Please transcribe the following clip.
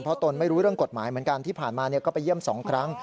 เพราะตนไม่รู้เรื่องกฎหมายเหมือนกันที่ผ่านมาก็ไปเยี่ยม๒ครั้ง